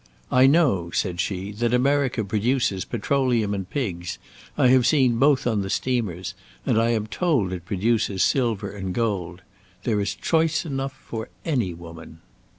"I know," said she, "that America produces petroleum and pigs; I have seen both on the steamers; and I am told it produces silver and gold. There is choice enough for any woman."